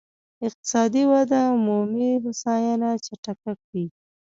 اقتصادي وده عمومي هوساينې چټکه کړي.